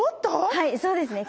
はいそうですね。